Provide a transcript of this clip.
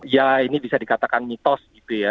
ya ini bisa dikatakan mitos